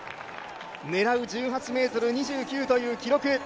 狙う１８ｍ２９という記録。